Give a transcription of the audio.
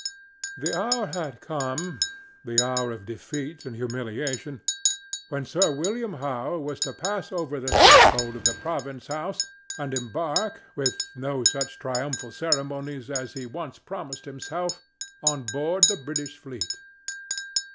The hour had come—the hour of defeat and humiliation—when Sir William Howe was to pass over the threshold of the province house and embark, with no such triumphal ceremonies as he once promised himself, on board the British fleet.